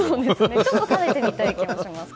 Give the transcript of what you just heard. ちょっと食べてみたい気もしますが